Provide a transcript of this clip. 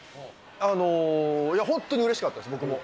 あの、本当にうれしかったです、僕も。